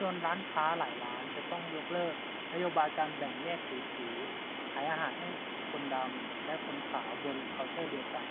จนร้านค้าหลายร้านต้องยกเลิกนโยบายการแบ่งแยกสีผิว ขายอาหารให้คนดำและคนขาวบนเคาน์เตอร์เดียวกัน